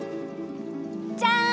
じゃん！